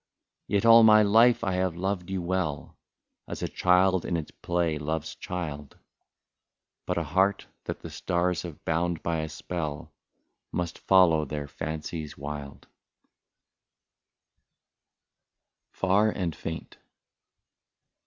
157 " Yet all my life I have loved you well, As a child in its play loves child ; But a heart, that the stars have bound by a spell, Must follow their fancies wild/' IS8 FAR AND FAINT.